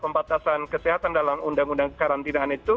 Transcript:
termasuk sektor pendidikan perkantoran dan juga pendidikan